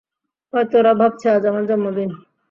হয়তো ওরা ভাবছে আজ আমার জন্মদিন?